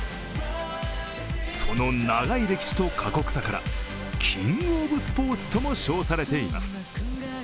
その長い歴史と過酷さからキングオブスポーツとも称されています。